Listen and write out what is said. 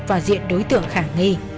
và diện đối tượng khả nghi